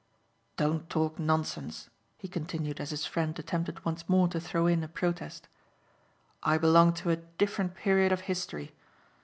"Don't talk nonsense," he continued as his friend attempted once more to throw in a protest; "I belong to a different period of history.